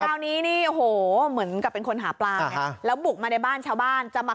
คราวนี้นี่โอ้โหเหมือนกับเป็นคนหาปลาไงแล้วบุกมาในบ้านชาวบ้านจะมา